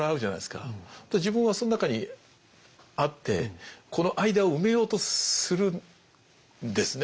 自分はその中にあってこの間を埋めようとするんですね